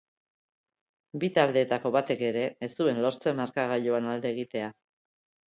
Bi taldeetako batek ere ez zuen lortzen markagailuan alde egitea.